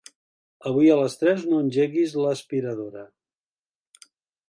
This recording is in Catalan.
Avui a les tres no engeguis l'aspiradora.